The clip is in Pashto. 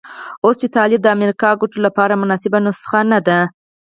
اوس چې طالب د امریکا ګټو لپاره مناسبه نسخه ده.